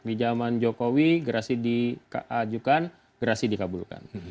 di zaman jokowi gerasi diajukan gerasi dikabulkan